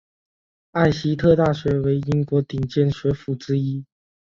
艾希特大学为英国顶尖学府之一。